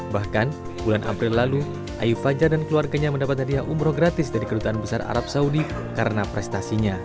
bahkan bulan april lalu ayu fajar dan keluarganya mendapat hadiah umroh gratis dari kedutaan besar arab saudi karena prestasinya